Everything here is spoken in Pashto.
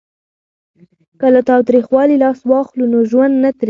که له تاوتریخوالي لاس واخلو نو ژوند نه تریخیږي.